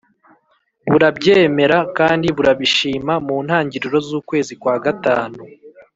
burabyemera kandi burabishima. Mu ntangiriro z'ukwezi kwa gatanu